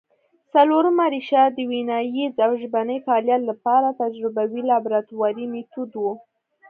څلورمه ریښه د ویناييز او ژبني فعالیت له پاره تجربوي لابراتواري مېتود وو